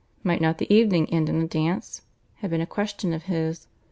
Might not the evening end in a dance? had been a question of his.